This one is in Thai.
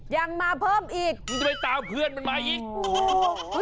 ยังมาเพิ่มอีกมึงจะไปตามเพื่อนมันมาอีกโอ้โห